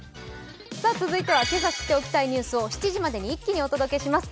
続いてはけさ知っておきたいニュースを７時までに一気にお届けします。